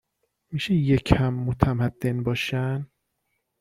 میشه یه کم متمدن باشن؟